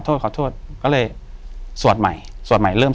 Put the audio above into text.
อยู่ที่แม่ศรีวิรัยิลครับ